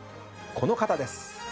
この方です。